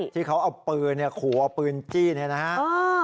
ที่เขาเอาปืนหัวปืนจีนนะฮะ